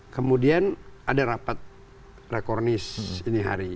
kemudian ada rapat rekornis ini hari